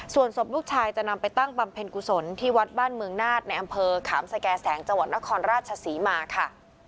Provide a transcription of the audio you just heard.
ส่วนศพลูกชายจะนำไปตั้งบำเพ็ญกุศลที่วัดบ้านเมืองนาฏในอำเภอขามสแก่แสงจังหวัดนครราชศรีมาค่ะ